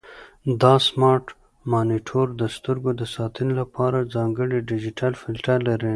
دا سمارټ مانیټور د سترګو د ساتنې لپاره ځانګړی ډیجیټل فلټر لري.